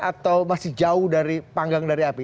atau masih jauh dari panggang dari api